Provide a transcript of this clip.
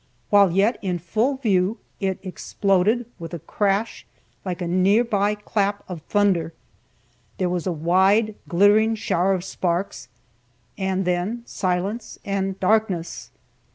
While yet in full view, it exploded with a crash like a near by clap of thunder, there was a wide, glittering shower of sparks, and then silence and darkness.